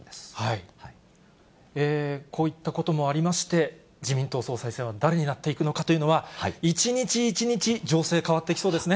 こういったこともありまして、自民党総裁選は誰になっていくのかというのは、一日一日、情勢、変わってきそうですね。